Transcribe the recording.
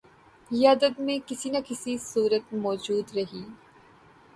یہ ادب میں کسی نہ کسی صورت موجود رہی